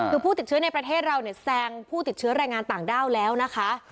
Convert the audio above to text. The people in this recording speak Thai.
คือผู้ติดเชื้อในประเทศเราเนี่ยแซงผู้ติดเชื้อแรงงานต่างด้าวแล้วนะคะ